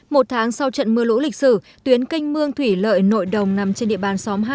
một tháng sau trận mưa lũ lịch sử tuyến canh mương thủy lợi nội đồng nằm trên địa bàn xóm hai